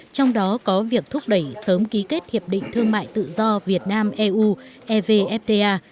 trong đó có việc thúc đẩy sớm ký kết hiệp định thương mại tự do việt nam eu evfta